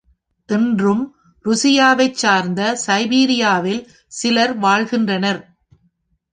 இன்றும், உருசியாவைச் சார்ந்த சைபீரியாவில், சிலர் வாழ்கின்றனர்.